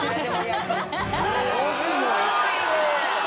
すごいね。